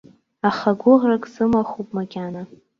Аха гәыӷрак сымахуп макьана.